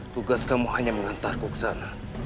tugas kamu hanya mengantarku ke sana